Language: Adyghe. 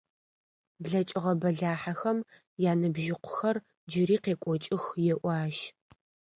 Блэкӏыгъэ бэлахьэхэм яныбжьыкъухэр джыри къекӏокӏых еӏо ащ.